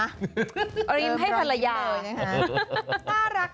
เติมรอยยิ้มเลยนะคะ